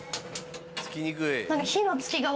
つきにくい。